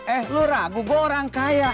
eh lu ragu gue orang kaya